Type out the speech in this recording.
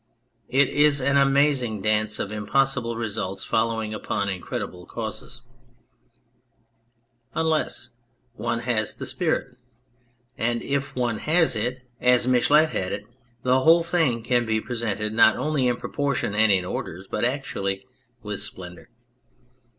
It is an amazing dance of impossible results following upon incredible causes unless one has the spirit ; and if one has it, as Michelet had it, the whole thing can be presented, not only in proportion and in orders, but actually with splendour.